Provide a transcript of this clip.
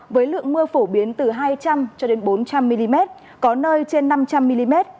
với lượng mưa phổ biến từ hai trăm linh cho đến bốn trăm linh mm có nơi trên năm trăm linh mm